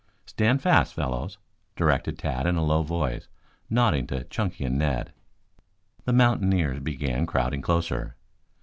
"Stand fast, fellows!" directed Tad in a low voice, nodding to Chunky and Ned. The mountaineers began crowding closer.